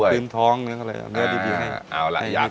ครับคืนท้องเนื้ออะไรเนื้อดีให้